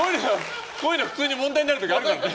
こういうの普通に問題になる時あるからね。